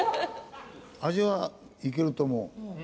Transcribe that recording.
味はいけると思う。